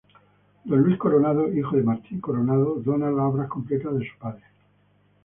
Don Luis Coronado, hijo de Martín Coronado, dona las obras completas de su padre.